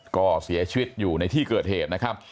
ก็เสียชีวิตอยู่ในที่เกิดเหตุนะครับ